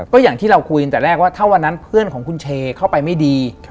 ก็อย่างที่เราคุยตั้งแต่แรกว่าถ้าวันนั้นเพื่อนของคุณเชเข้าไปไม่ดี